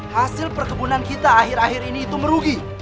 hasil perkebunan kita akhir akhir ini itu merugi